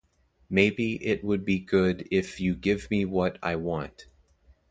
Maybe it would be good if you give me what I want.